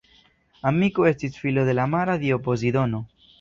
Amiko estis filo de la mara dio Pozidono.